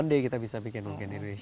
one day kita bisa bikin pakai di indonesia